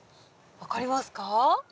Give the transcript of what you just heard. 分かりますか？